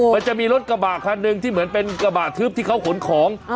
มันจะมีรถกระบะคันหนึ่งที่เหมือนเป็นกระบะทึบที่เขาขนของ